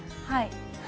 はい。